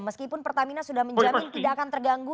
meskipun pertamina sudah menjamin tidak akan terganggu